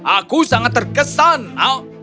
aku sangat terkesan